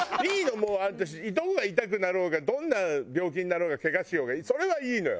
もう私どこが痛くなろうがどんな病気になろうがケガしようがそれはいいのよ。